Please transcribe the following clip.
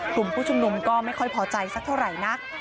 กลุ่มผู้ชุมนุมก็ไม่ค่อยพอใจสักเท่าไหร่นัก